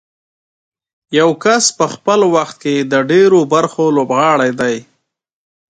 یو کس په خپل وخت کې د ډېرو برخو لوبغاړی دی.